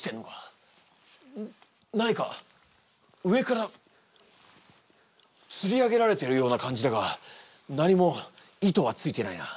何か上からつり上げられてるような感じだが何も糸はついてないな。